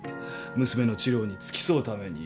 娘の治療に付き添うために。